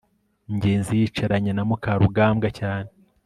ngenzi yicaranye na mukarugambwa cyane